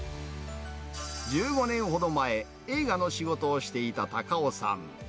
１５年ほど前、映画の仕事をしていた太夫さん。